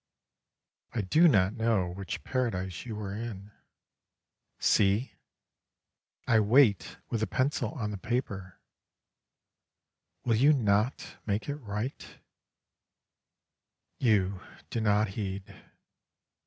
I do not know which paradise you are in. See, I wait with the pencil on the paper: will you not make it write? You do not heed.